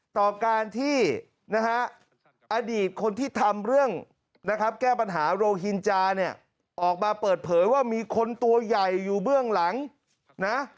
ต่อการที่นะฮะอดีตคนที่ทำเรื่องนะครับแก้ปัญหาโรฮินจาเนี่ยออกมาเปิดเผยว่ามีคนตัวใหญ่อยู่เบื้องหลังนะ